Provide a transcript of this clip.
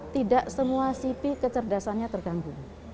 tidak semua cp kecerdasannya terganggu